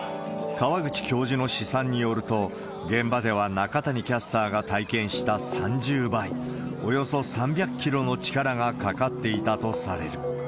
川口教授の試算によると、現場では中谷キャスターが体験した３０倍、およそ３００キロの力がかかっていたとされる。